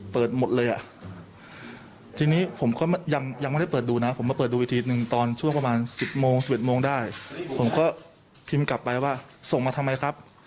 ผมก็พิมพ์กลับไปว่าส่งมาทำไมครับ